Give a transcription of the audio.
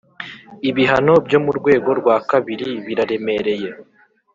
ibihano byo mu rwego rwa kabiri biraremereye.